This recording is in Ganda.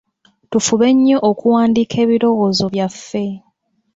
Tufube nnyo okuwandiika ebirowoozo byaffe.